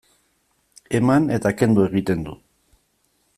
Eman eta kendu egiten du.